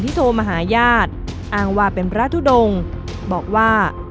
ที่โทรมาหายาทอ้างว่าเป็นพระธุดงศ์บอกว่า